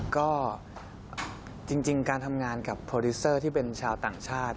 ก็จริงการทำงานกับโปรดิวเซอร์ที่เป็นชาวต่างชาติ